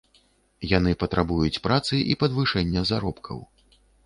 Яны патрабуюць працы і падвышэння заробкаў.